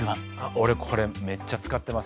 俺これめっちゃ使ってます。